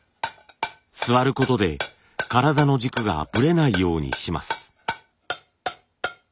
座ることで体の軸がぶれないようにします。